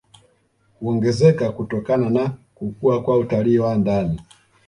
Huongezeka kutokana na kukua kwa utalii wa ndani